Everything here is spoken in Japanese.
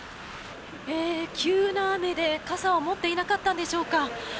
急な雨で、傘を持っていなかったんでしょうか。